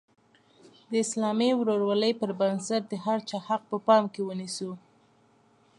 د اسلامي ورورولۍ پر بنسټ د هر چا حق په پام کې ونیسو.